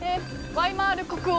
ワイマール国王。